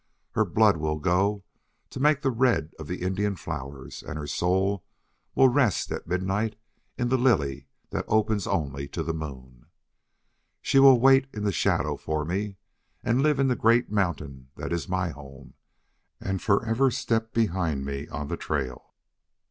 Her blood will go to make the red of the Indian flowers and her soul will rest at midnight in the lily that opens only to the moon. She will wait in the shadow for me, and live in the great mountain that is my home, and for ever step behind me on the trail."